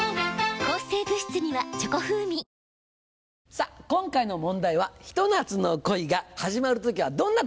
さぁ今回の問題は「ひと夏の恋が始まる時はどんな時なのか？」。